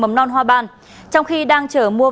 mầm non hoa ban trong khi đang chở mua